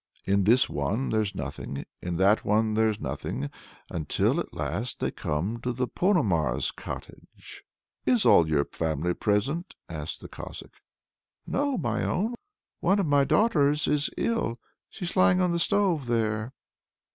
In this one there's nothing, in that one there's nothing, until at last they come to the Ponomar's cottage. "Is all your family present?" asks the Cossack. "No, my own! one of my daughters is ill. She's lying on the stove there."